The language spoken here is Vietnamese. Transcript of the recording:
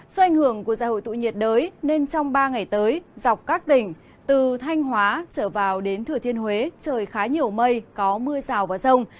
do ảnh hưởng của giải hội tụ nhiệt đới nên trong ba ngày tới dọc các tỉnh từ thanh hóa trở vào đến thừa thiên huế trời khá nhiều mây có mưa rào và rông